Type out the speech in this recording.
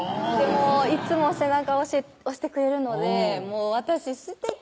いつも背中を押してくれるので私すてき！